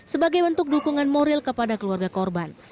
sebagai bentuk dukungan moral kepada keluarga korban